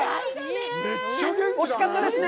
惜しかったですね。